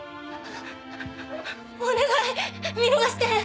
お願い見逃して！